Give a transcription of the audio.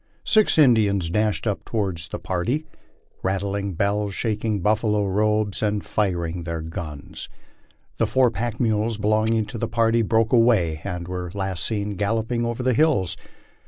Six Indians dashed up toward the party, rattling bells, shaking buft'alo robes, and firing their guns. The four pack mules belonging to the party broke away and were last seen galloping over the hills.